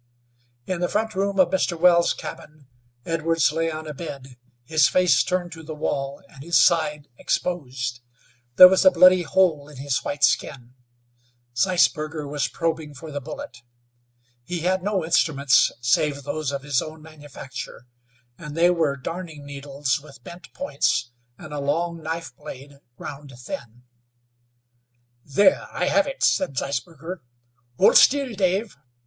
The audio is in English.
In the front room of Mr. Wells' cabin Edwards lay on a bed, his face turned to the wall, and his side exposed. There was a bloody hole in his white skin. Zeisberger was probing for the bullet. He had no instruments, save those of his own manufacture, and they were darning needles with bent points, and a long knife blade ground thin. "There, I have it," said Zeisberger. "Hold still, Dave.